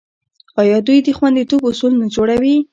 آیا دوی د خوندیتوب اصول نه جوړوي؟